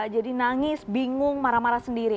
jadi nangis bingung marah marah sendiri